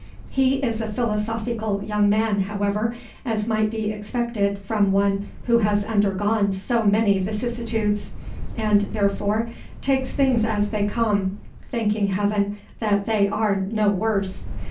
He is a philosophical young man, however, as might be expected from one who has undergone so many vicissitudes, and, therefore, takes things as they come, thanking heaven that they are no worse.